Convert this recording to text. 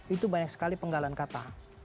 itu banyak sekali penggalan kata